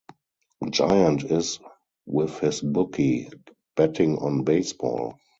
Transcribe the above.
Giant is with his bookie, betting on baseball.